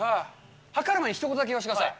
量る前にひと言だけ言わせてください。